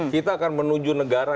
kita akan menuju negara